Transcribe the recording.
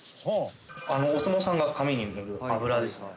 あのお相撲さんが髪に塗る油ですね。